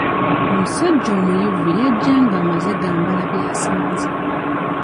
Omusajja omuyivu yajja ng'amaze gambala by'asanze.